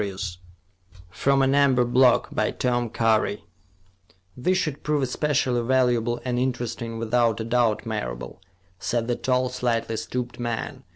] From An Amber Block By Tom Curry "These should prove especially valuable and interesting without a doubt, Marable," said the tall, slightly stooped man.